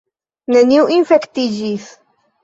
Neniu infektiĝis!